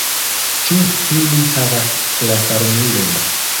Ĉu ili havas pafarmilojn?